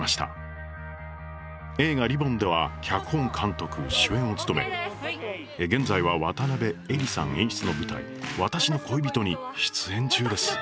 映画「Ｒｉｂｂｏｎ」では脚本監督主演を務め現在は渡辺えりさん演出の舞台「私の恋人」に出演中です。